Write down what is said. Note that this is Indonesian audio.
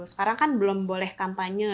sekarang kan belum boleh kampanye